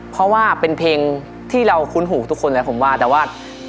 เพราะว่าเป็นเพลงที่เราคุ้นหูทุกคนเลยผมว่าแต่ว่า